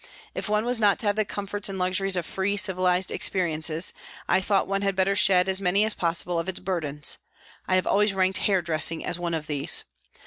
If one was not to have the comforts and luxuries of free, civilised existence, I thought one had better shed as many as possible of its burdens ; I have always ranked hair dressing as one of these.